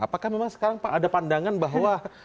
apakah memang sekarang pak ada pandangan bahwa